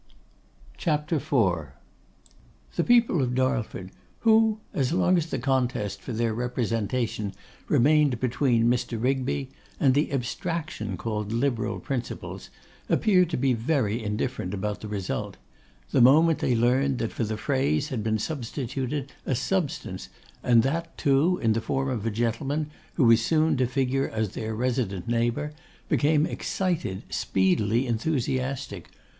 The people of Darlford, who, as long as the contest for their representation remained between Mr. Rigby and the abstraction called Liberal Principles, appeared to be very indifferent about the result, the moment they learned that for the phrase had been substituted a substance, and that, too, in the form of a gentleman who was soon to figure as their resident neighbour, became excited, speedily enthusiastic.